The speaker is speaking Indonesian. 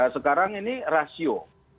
sekarang ini rasio